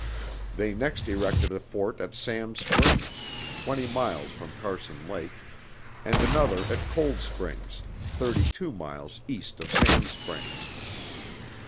They next erected a fort at Sand Springs, twenty miles from Carson Lake, and another at Cold Springs, thirty two miles east of Sand Springs.